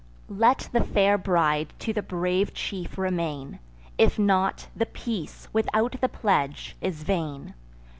Let the fair bride to the brave chief remain; If not, the peace, without the pledge, is vain.